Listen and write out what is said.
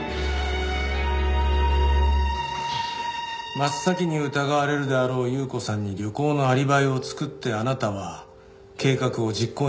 真っ先に疑われるであろう優子さんに旅行のアリバイを作ってあなたは計画を実行に移した。